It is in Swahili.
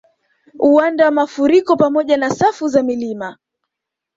Uwanda wa mafuriko pamoja na safu za milima